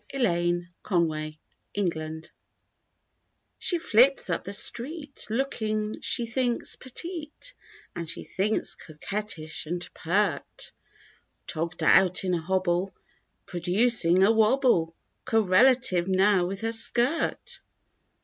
24 SHE WORE A HOBBLE She flits up the street, Looking (she thinks) petite, And (she thinks) coquetish and pert. Togged out in a hobble. Producing a wobble. Correlative now with her skirt.